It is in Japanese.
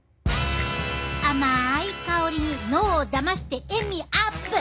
甘い香りに脳をだまして塩味アップ！